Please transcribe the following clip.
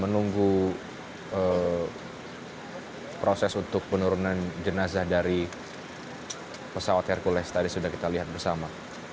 menunggu proses untuk penurunan jenazah dari pesawat hercules tadi sudah kita lihat bersama